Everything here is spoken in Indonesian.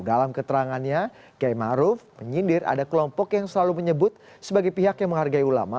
dalam keterangannya kiai maruf menyindir ada kelompok yang selalu menyebut sebagai pihak yang menghargai ulama